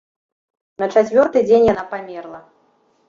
На чацвёрты дзень яна памерла.